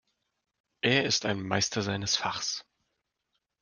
Er ist ein Meister seines Fachs.